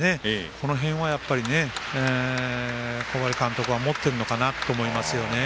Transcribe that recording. この辺は、小針監督は持ってるのかなと思います。